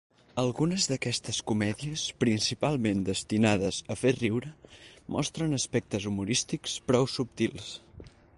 Algunes d'aquestes comèdies, principalment destinades a fer riure, mostren aspectes humorístics prou subtils.